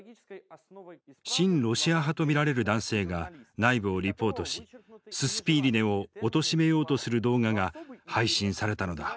親ロシア派と見られる男性が内部をリポートしススピーリネをおとしめようとする動画が配信されたのだ。